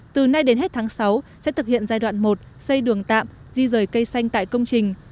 từ nay đến hết tháng sáu sẽ thực hiện giai đoạn một xây đường tạm di rời cây xanh tại công trình